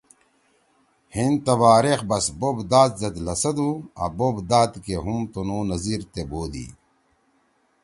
ہیِن تباریخ بس بوپ داد سیت لھسَدُو آں بوپ داد کے ہُم تُنُو نذیِرتے بودی۔